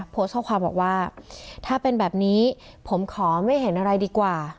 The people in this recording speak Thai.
โพสต์ข้อความบอกว่าถ้าเป็นแบบนี้ผมขอไม่เห็นอะไรดีกว่า